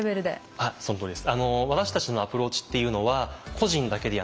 あっそのとおりです。